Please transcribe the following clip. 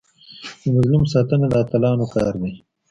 د مظلوم ساتنه د اتلانو کار دی.